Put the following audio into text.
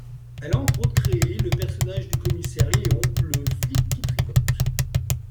Elle a entre autres créé le personnage du commissaire Léon, le flic qui tricote.